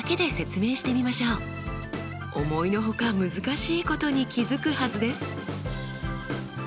思いの外難しいことに気付くはずです。